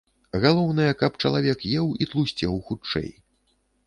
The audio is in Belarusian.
Галоўнае, каб чалавек еў і тлусцеў хутчэй.